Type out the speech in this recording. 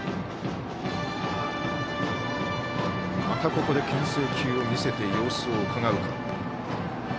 またここでけん制球を見せて様子をうかがう。